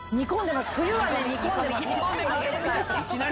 冬は煮込んでます。